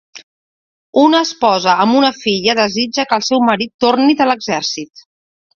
Una esposa amb una filla desitja que el seu marit torni de l'exèrcit.